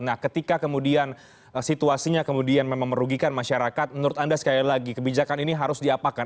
nah ketika kemudian situasinya kemudian memang merugikan masyarakat menurut anda sekali lagi kebijakan ini harus diapakan